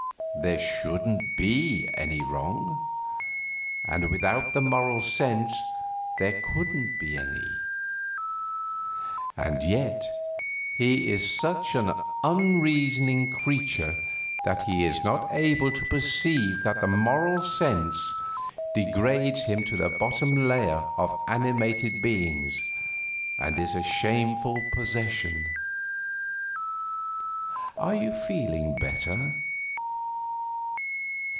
There shouldn't be any wrong; and without the Moral Sense there couldn't be any. And yet he is such an unreasoning creature that he is not able to perceive that the Moral Sense degrades him to the bottom layer of animated beings and is a shameful possession. Are you feeling better?